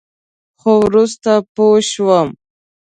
خو وروسته پوه شوم.